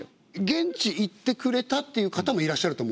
現地行ってくれたって言う方もいらっしゃると思うんですよ。